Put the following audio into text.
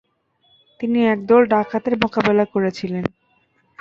তিনি একদল ডাকাত এর মোকাবেলা করেছিলেন।